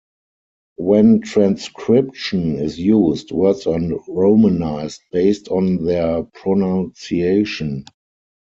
When transcription is used, words are romanized based on their pronunciation.